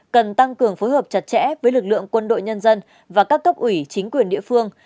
cần tăng cường phối hợp chặt chẽ với lực lượng quân đội nhân dân và các cấp ủy chính quyền địa phương